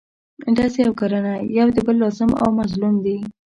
ډزې او کرنه یو د بل لازم او ملزوم دي.